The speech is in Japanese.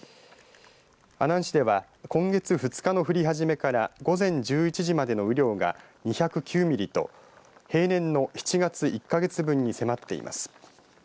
阿南市では今月２日の降り始めから午前１１時までの雨量が２０９ミリと平年の７月１か月分に迫っています。